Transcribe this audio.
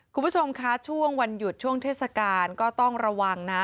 คุณผู้ชมคะช่วงวันหยุดช่วงเทศกาลก็ต้องระวังนะ